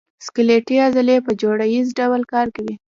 سکلیټي عضلې په جوړه ییز ډول کار کوي.